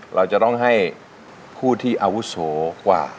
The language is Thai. เราจะต้องให้ผู้ที่อาวุโสกว่า